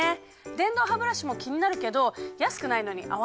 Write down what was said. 電動ハブラシも気になるけど安くないのに合わなかったら嫌だし！